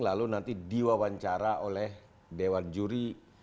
lalu nanti diwawancara oleh dewan juri